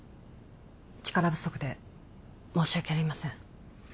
力不足で申し訳ありません